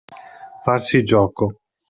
Farsi gioco.